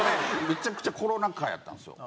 めちゃくちゃコロナ禍やったんですよ。